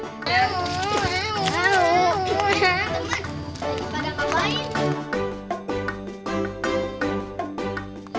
teman lagi pada ngapain